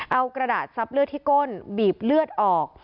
เอากระดาษซับเลือดที่ก้นบีบเลือดออก